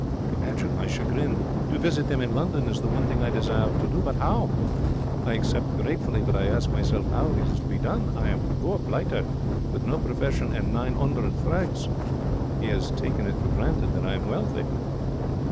Imagine my chagrin. To visit them in London is the one thing I desire to do. But how? I accept gratefully, but I ask myself how it is to be done? I am poor blighter with no profession and nine 'undred francs. He 'as taken it for granted that I am wealthy.